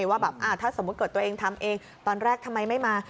ว่าแบบถ้าสมมุติเกิดตัวเองทำเองตอนแรกทำไมไม่มา